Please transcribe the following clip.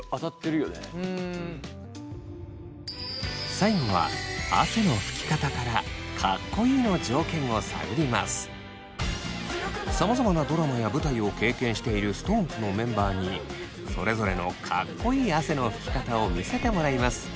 最後はさまざまなドラマや舞台を経験しているＳｉｘＴＯＮＥＳのメンバーにそれぞれのかっこいい汗のふき方を見せてもらいます。